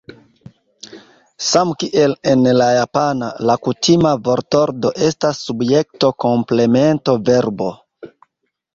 Samkiel en la japana, la kutima vortordo estas subjekto-komplemento-verbo.